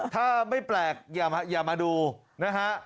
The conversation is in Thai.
ถ้าไม่แปลกอย่ามาดูนะฮะ